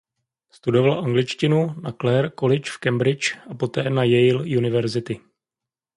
Studoval angličtinu na Clare College v Cambridge a poté na Yale University.